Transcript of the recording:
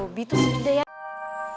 zmianan itu namanya dalam dari sk exposure